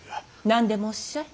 何でもおっしゃい。